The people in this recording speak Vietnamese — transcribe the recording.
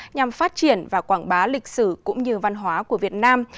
nhằm phát triển và quảng bá lịch sử cũng như văn hóa của việt nam